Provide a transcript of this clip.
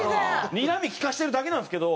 にらみ利かせてるだけなんですけど。